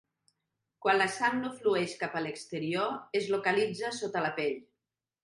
Quan la sang no flueix cap a l'exterior, es localitza sota la pell.